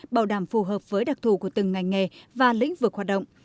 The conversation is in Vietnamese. bảo đảm phù hợp với đặc thù của từng ngành nghề và lĩnh vực hoạt động